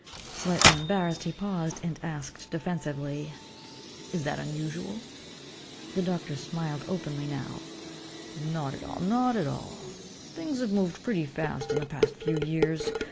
Slightly embarrassed, he paused and asked defensively, "Is that unusual?" The doctor smiled openly now, "Not at all, not at all. Things have moved pretty fast in the past few years.